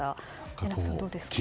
榎並さん、どうですか？